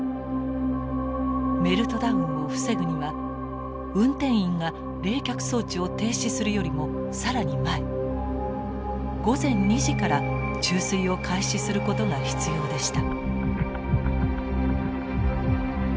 メルトダウンを防ぐには運転員が冷却装置を停止するよりも更に前午前２時から注水を開始することが必要でした。